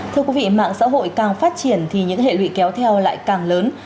thưa quý vị mạng xã hội càng phát triển thì những hệ lụy kéo theo lại càng lớn